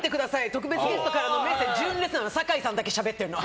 特別ゲストからのメッセージなの純烈で酒井さんだけしゃべってるの。